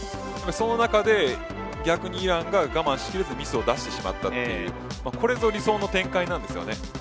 その中で、逆にイランが我慢しきれずミスを出してしまったという、これがこれぞ理想の展開なんですよね。